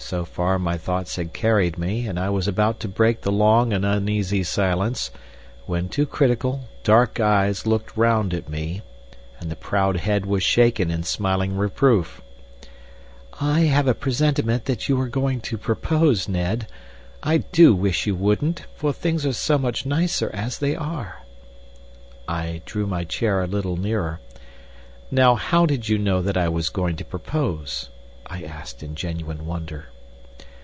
So far my thoughts had carried me, and I was about to break the long and uneasy silence, when two critical, dark eyes looked round at me, and the proud head was shaken in smiling reproof. "I have a presentiment that you are going to propose, Ned. I do wish you wouldn't; for things are so much nicer as they are." I drew my chair a little nearer. "Now, how did you know that I was going to propose?" I asked in genuine wonder.